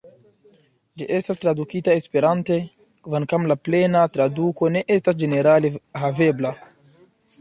Ĝi estas tradukita Esperante, kvankam la plena traduko ne estas ĝenerale havebla.